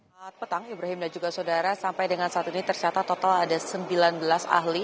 selamat petang ibrahim dan juga saudara sampai dengan saat ini tercatat total ada sembilan belas ahli